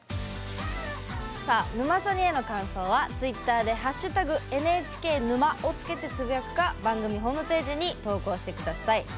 「ヌマソニ」への感想はツイッターで「＃ＮＨＫ沼」をつけてつぶやくか番組ホームページに投稿してください。